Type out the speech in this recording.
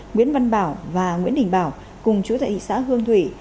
nguyễn văn bảo và nguyễn đình bảo cùng chú tại thị xã hương thủy